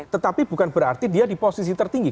tetapi bukan berarti dia di posisi tertinggi